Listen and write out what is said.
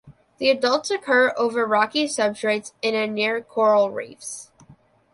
The adults occur over rocky substrates and in near coral reefs.